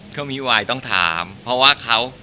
เขามีไวต้องถามเพราะเขา